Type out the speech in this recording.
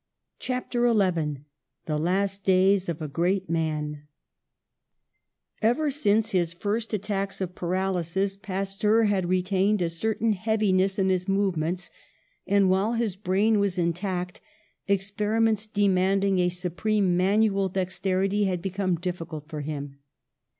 CHAPTER XI THE LAST DAYS OF A GREAT MAN EVER since his first attacks of paralysis Pasteur had retained a certain heaviness in his movements, and, while his brain was in tact, experiments demanding a supreme manual dexterity had become difficult for him.